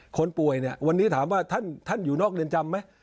คนป่วยเนี่ยวันนี้ถามว่าท่านอยู่นอกเรือนจำไหม